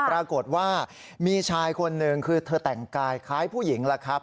ปรากฏว่ามีชายคนหนึ่งคือเธอแต่งกายคล้ายผู้หญิงแล้วครับ